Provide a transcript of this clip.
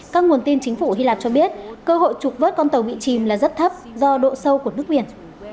các nguồn tin chính phủ hy lạp cho biết cơ hội trục vớt con tàu bị chìm là rất thấp do độ sâu của nước biển